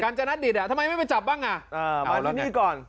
การจะนัดดิดอ่ะทำไมไม่ไปจับบ้างอ่ะเออมาที่นี่ก่อน